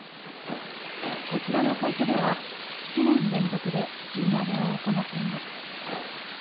こちらの会社では７年連続で賃上げを行っています。